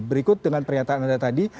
berikut dengan pernyataan anda tadi